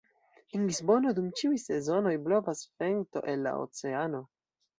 En Lisbono dum ĉiuj sezonoj blovas vento el la oceano.